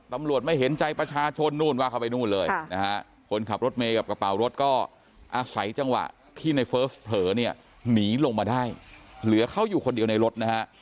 ตำรวจไม่เห็นใจประชาชนนู่นว่าเข้าไปนู่นเลยนะฮะคนขับรถเมย์กับกระเป๋ารถก็อาศัยจังหวะที่ในเฟิร์สเผลอเนี่ยหนีลงมาได้เหลือเขาอยู่คนเดียวในรถนะฮะ